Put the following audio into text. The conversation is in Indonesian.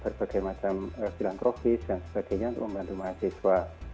berbagai macam silang trofis dan sebagainya untuk membantu mahasiswa